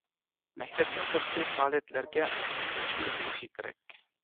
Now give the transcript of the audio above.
مەكتەپتىن سىرتقى پائالىيەتلەرگە قىزىقتۇرۇشنى بىلىشى كېرەك.